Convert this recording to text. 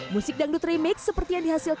ya sekarang saya sudah berada di konser musik